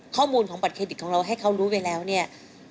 ข้อมูลของบัตรเครดิตของเราให้เขารู้ไปแล้วเนี่ย